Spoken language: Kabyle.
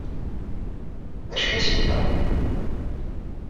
D acu i as-yenna?